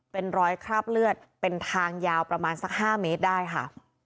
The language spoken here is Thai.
เป็นรอยคราบเลือดเป็นทางยาวประมาณสัก๕เมตรได้ค่ะ